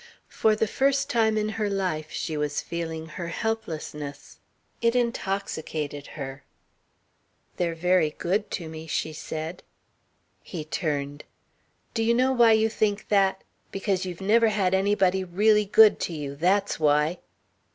For the first time in her life she was feeling her helplessness. It intoxicated her. "They're very good to me," she said. He turned. "Do you know why you think that? Because you've never had anybody really good to you. That's why."